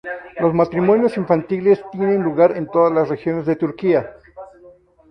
Los matrimonios infantiles tienen lugar en todas las regiones de Turquía.